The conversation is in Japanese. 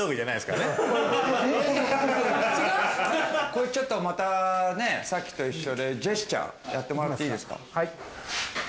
これちょっとまたねさっきと一緒でジェスチャーをやってもらっていいですか？